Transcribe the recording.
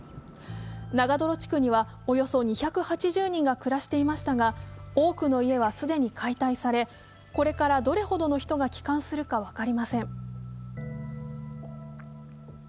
長泥地区にはおよそ２８０人が暮らしていましたが多くの家は既に解体され、これからどれほどの人が帰還するか分かりません。